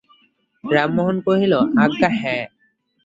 রামমোহন কহিল, আজ্ঞা হাঁ।